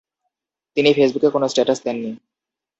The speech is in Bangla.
তিনি ফেসবুকে কোনো স্ট্যাটাস দেননি।